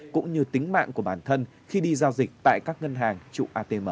cũng như tính mạng của bản thân khi đi giao dịch tại các ngân hàng trụ atm